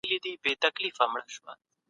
ما پرون يو ښه کتاب پيدا کړ.